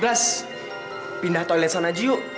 gelas pindah toilet sana aja yuk